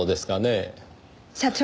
社長。